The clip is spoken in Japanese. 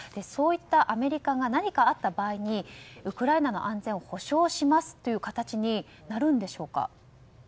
そういったアメリカが何かあった場合にウクライナの安全を保障しますという形になるんでしょうか。